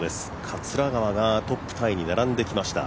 桂川がトップタイに並んできました。